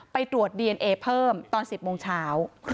ไปตรวจดีเอนเอเพิ่มตอน๑๐โมงเช้า